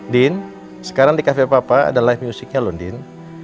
din sekarang di cafe papa ada live music nya lho din